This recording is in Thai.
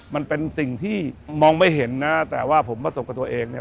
มันเป็นสิ่งที่มองไม่เห็นนะแต่ว่าผมประสบกับตัวเองเนี่ย